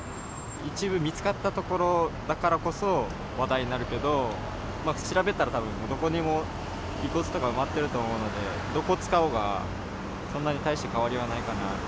一部見つかった所だからこそ話題になるけど、調べたら、たぶんどこにも遺骨とか埋まってると思うので、どこ使おうが、そんなにたいして変わりはないかなと。